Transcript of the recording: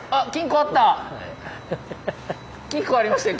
金庫ありましたよ